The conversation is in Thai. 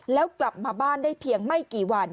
แล้วกลับมาบ้านได้เพียงไม่กี่วัน